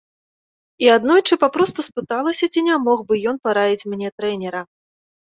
І аднойчы папросту спыталася, ці не мог бы ён параіць мне трэнера.